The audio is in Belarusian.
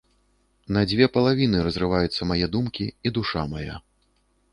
На дзве палавіны разрываюцца мае думкі і душа мая.